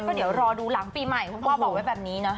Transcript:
ก็เดี๋ยวรอดูหลังปีใหม่คุณพ่อบอกไว้แบบนี้นะ